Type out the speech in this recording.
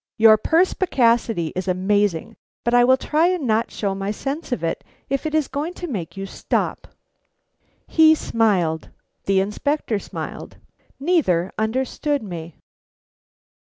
"Your perspicacity is amazing, but I will try and not show my sense of it, if it is going to make you stop." He smiled; the Inspector smiled: neither understood me.